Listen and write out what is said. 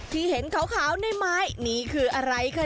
ที่เห็นขาวในไม้นี่คืออะไรคะ